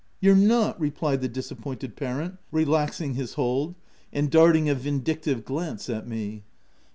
Ct You're not! 9, replied the disappointed pa rent, relaxing his hold, and darting a vindictive glance at me.